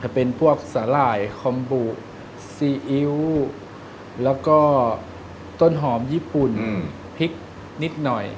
เป็นพวกสาหร่ายคอมบุซีอิ๊วแล้วก็ต้นหอมญี่ปุ่นพริกนิดหน่อย